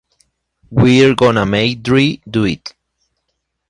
We're gonna make Dre do it.